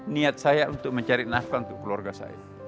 niat saya untuk mencari nafkah untuk keluarga saya